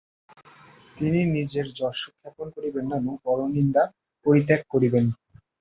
তিনি নিজের যশ খ্যাপন করিবেন না এবং পরনিন্দা পরিত্যাগ করিবেন।